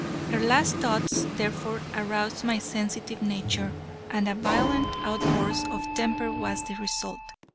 Her last thoughts, therefore, aroused my sensitive nature, and a violent outburst of temper was the result.